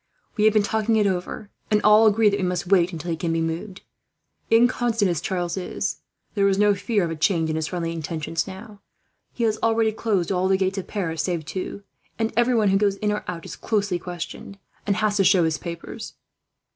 "We have been talking it over, and all agree that we must wait until he can be moved. Inconstant as Charles is, there can be no fear of a change in his friendly intentions now. He has already closed all the gates of Paris save two, and everyone who goes in or out is closely questioned, and has to show his papers."